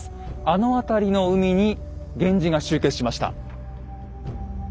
あの辺りの海に源氏が集結しました。